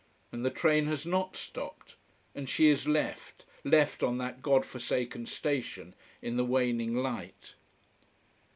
And the train has not stopped. And she is left left on that God forsaken station in the waning light.